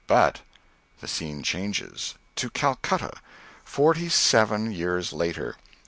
But The scene changes. To Calcutta forty seven years later.